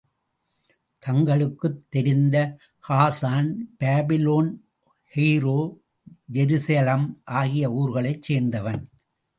தங்களுக்குத் தெரிந்த ஹாஸான், பாபிலோன், கெய்ரோ, ஜெருசலம் ஆகிய ஊர்களைச் சேர்ந்தவன்.